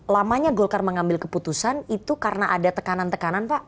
lamanya golkar mengambil keputusan itu karena ada tekanan tekanan pak